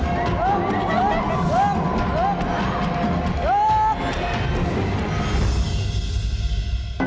ถูก